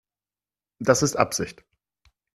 Das ist Absicht.